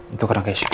itu karena kesyukur